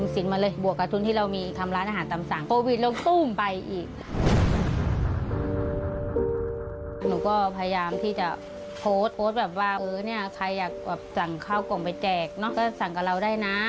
สั่งกับเราได้นะสั่งแกงถุงไปแจกได้นะ